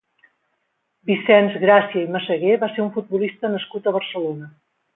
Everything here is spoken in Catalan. Vicenç Gràcia i Massagué va ser un futbolista nascut a Barcelona.